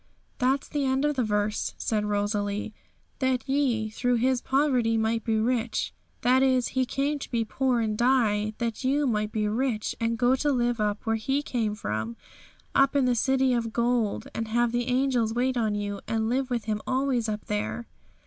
'That's the end of the verse,'said Rosalie. '"That ye through His poverty might be rich." That is, He came to be poor and die, that you might be rich and go to live up where He came from, up in the City of Gold, and have the angels wait on you, and live with Him always up there.'